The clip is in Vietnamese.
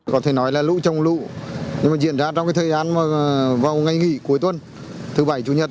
có thể nói là lũ trồng lũ diễn ra trong thời gian vào ngày nghỉ cuối tuần thứ bảy chủ nhật